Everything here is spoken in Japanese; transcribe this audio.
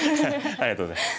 ありがとうございます。